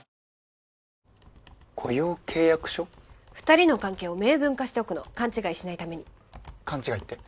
２人の関係を明文化しておくの勘違いしないために勘違いって？